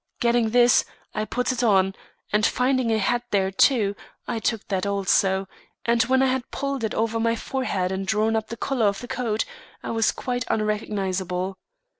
Getting this, I put it on, and, finding a hat there too, I took that also; and when I had pulled it over my forehead and drawn up the collar of the coat, I was quite unrecognisable.